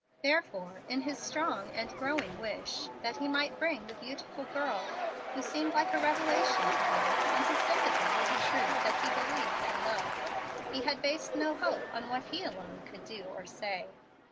Therefore in his strong and growing wish that he might bring the beautiful girl, who seemed like a revelation to him, into sympathy with the truth that he believed and loved, he had based no hope on what he alone could do or say.